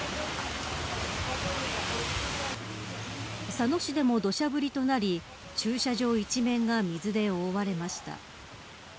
佐野市でも土砂降りとなり駐車場一面が水で覆われました。